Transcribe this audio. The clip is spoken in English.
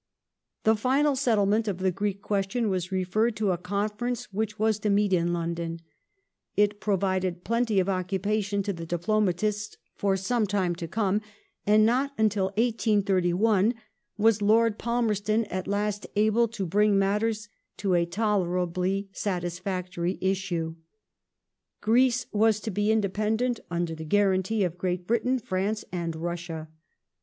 The final settlement of the Greek question was referred to a conference which was to meet in London. It provided plenty of occupation to the diplomatists for some time to come, and not until 1831 was Lord Palmerston at last able to bring mattei s to a tolerably satisfactory issue, Greece was to be independent under k the guarantee of Great Britain, France, and Russia.